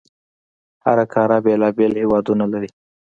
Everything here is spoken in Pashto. هره قاره بېلابېل هیوادونه لري.